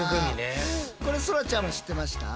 これそらちゃんは知ってました？